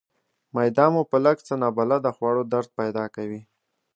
معده مو په لږ څه نابلده خوړو درد پیدا کوي.